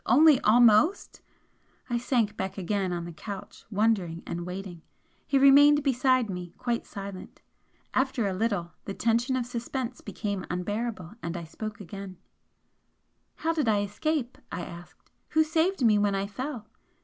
Only 'almost'! I sank back again on the couch, wondering and waiting. He remained beside me quite silent. After a little the tension of suspense became unbearable and I spoke again "How did I escape?" I asked "Who saved me when I fell?"